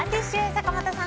坂本さん